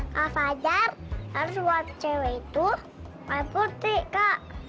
kak fajar harus buat cewek itu pake putih kak